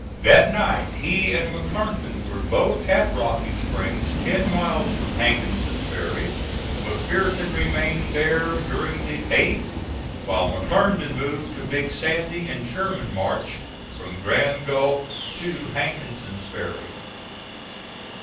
That night he and McClernand were both at Rocky Springs ten miles from Hankinson's ferry. McPherson remained there during the 8th, while McClernand moved to Big Sandy and Sherman marched from Grand Gulf to Hankinson's ferry.